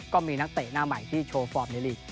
ก็มีนักเตะหน้าใหม่ที่โชว์ฟอร์มในลีก